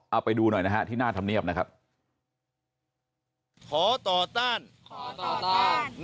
เอาไปดูหน่อยนะฮะที่หน้าธรรมเนียบนะครับขอต่อต้านขอต่อต้าน